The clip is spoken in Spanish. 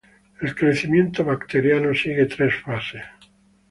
El crecimiento bacteriano sigue tres fases.